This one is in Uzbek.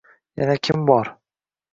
Yana kim bor?..